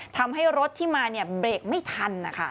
ทำให้รถที่มาเร็กไม่ทันแหละค่ะ